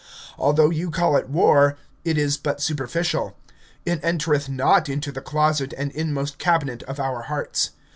Although you call it war, it is but superficial; it entereth not into the closet and inmost cabinet of our hearts.